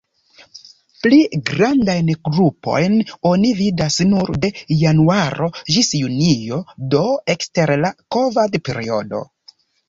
Pli grandajn grupojn oni vidas nur de januaro ĝis junio, do ekster la kovad-periodo.